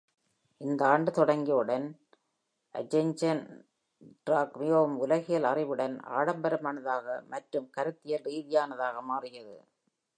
இந்த ஆண்டு தொடங்கியவுடன், அர்ஜென்டைன் ராக் மிகவும் உலகியல் அறிவுடன், ஆடம்பரமானதாக மற்றும் கருத்தியல் ரீதியானதாக மாறியது.